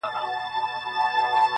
o ډنگر په هډ ماغزه لري.